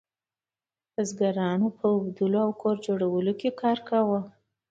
بزګرانو په اوبدلو او کور جوړولو کې کار کاوه.